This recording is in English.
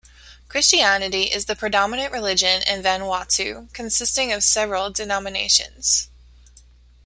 Christianity is the predominant religion in Vanuatu, consisting of several denominations.